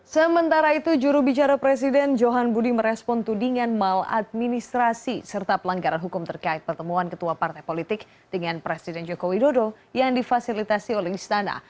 sementara itu jurubicara presiden johan budi merespon tudingan maladministrasi serta pelanggaran hukum terkait pertemuan ketua partai politik dengan presiden joko widodo yang difasilitasi oleh istana